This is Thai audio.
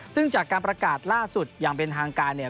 ซึ่งจากการประกาศล่าสุดอย่างเป็นทางการเนี่ย